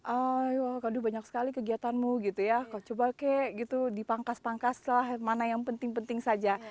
ayo banyak sekali kegiatanmu gitu ya kau coba kek gitu dipangkas pangkas lah mana yang penting penting saja